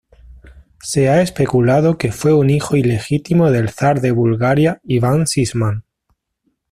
Se ha especulado que fue un hijo ilegítimo del zar de Bulgaria Iván Sisman.